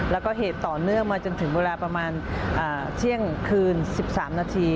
แล้วก็เหตุต่อเนื่องมาจนถึงเวลาประมาณเที่ยงคืน๑๓นาที